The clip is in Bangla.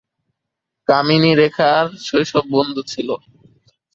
কামিনী রেখার শৈশব বন্ধু ছিল।